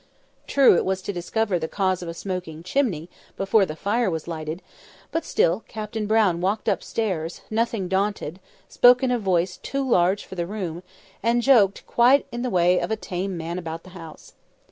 True, it was to discover the cause of a smoking chimney, before the fire was lighted; but still Captain Brown walked upstairs, nothing daunted, spoke in a voice too large for the room, and joked quite in the way of a tame man about the house.